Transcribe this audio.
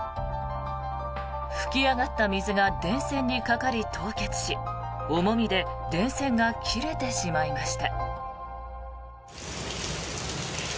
噴き上がった水が電線にかかり凍結し重みで電線が切れてしまいました。